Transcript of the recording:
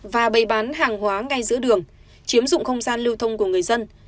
và bày bán hàng hóa ngay giữa đường chiếm dụng không gian lưu thông của người dân